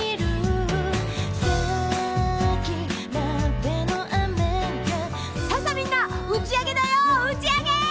『ＥＶＥＲＹ』ささっみんな打ち上げだよ打ち上げ！